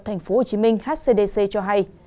thành phố hồ chí minh hcdc cho hay